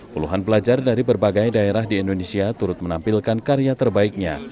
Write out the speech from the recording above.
puluhan pelajar dari berbagai daerah di indonesia turut menampilkan karya terbaiknya